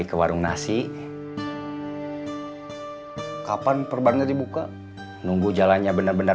kalau mereka nyeget kamu di jalan gimana